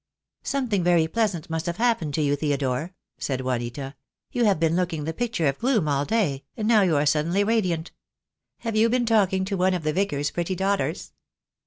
"Something very pleasant must have happened to you, Theodore," said Juanita. "You have been looking the picture of gloom all day, and now you are suddenly radiant. Have you been talking to one of the Vicar's pretty daughters?"